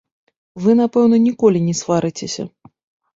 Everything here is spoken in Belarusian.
Вы, напэўна, ніколі не сварыцеся.